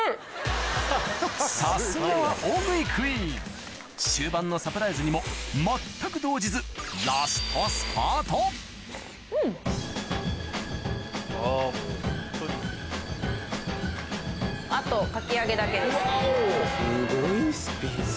さすがは大食いクイーン終盤のサプライズにも全く動じずすごいスピード。